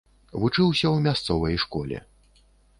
Вучыўся ў мясцовай школе.